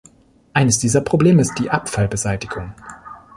Eines dieser Probleme ist die Abfallbeseitigung.